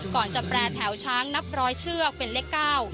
ก่อนจะแปรแถวช้างนับร้อยเชือกเป็นเลขเก้า